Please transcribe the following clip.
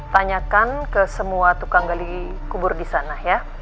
tanyakan ke semua tukang gali kubur di sana ya